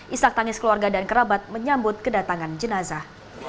isak tangis keluarga dan kerabat menyambut kedatangan jenazah